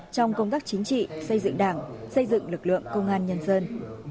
trong công tác chính trị xây dựng đảng xây dựng lực lượng công an nhân dân